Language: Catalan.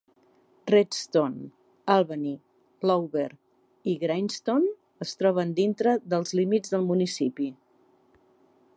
Redstone, Albany, Lowber i Grindstone es troben dintre dels límits del municipi.